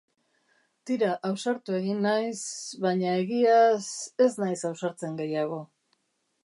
Tira, ausartu egin naiz... baina egiaz... ez naiz ausartzen gehiago.